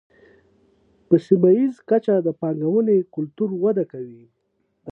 په سیمه ییزه کچه د پانګونې کلتور وده کوي.